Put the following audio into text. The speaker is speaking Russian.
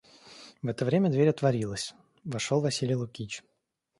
В это время дверь отворилась, вошел Василий Лукич.